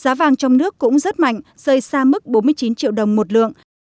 giá vàng trong nước cũng rất mạnh rơi xa mức bốn mươi chín triệu đồng một lượng